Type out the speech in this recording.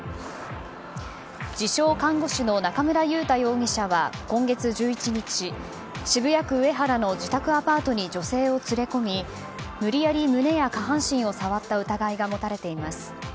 自称看護師の中村優太容疑者は今月１１日渋谷区上原の自宅アパートに女性を連れ込み無理やり胸や下半身を触った疑いが持たれています。